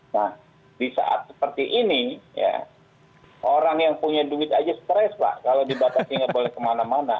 nah di saat seperti ini orang yang punya duit aja stress lah kalau dibatasi nggak boleh kemana mana